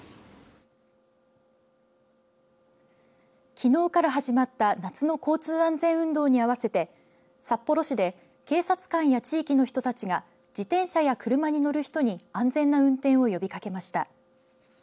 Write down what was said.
きのうから始まった夏の交通安全運動に合わせて札幌市で警察官や地域の人たちが自転車や車に乗る人に安全な運転を呼びかけました。